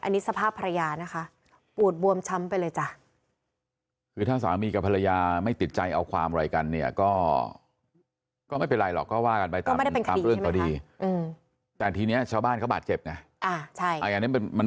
อันนี้สภาพภรรยานะคะปูดบวมช้ำไปเลยจ้ะ